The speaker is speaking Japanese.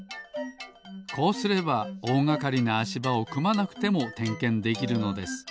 こうすればおおがかりなあしばをくまなくてもてんけんできるのです。